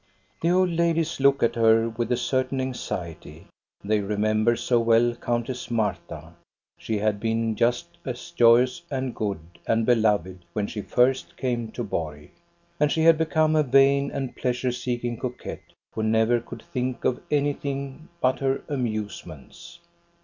The old ladies look at her with a certain anxiety. They remember so well Countess Marta. She had been just as joyous and good and beloved when she first came to Borg. And she had become a vain and pleasure seeking coquette, who never could think of anything but her amusements.